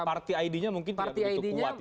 party id nya mungkin tidak begitu kuat ya